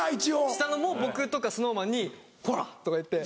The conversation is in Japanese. したのも僕とかＳｎｏｗＭａｎに「ほら」とか言って。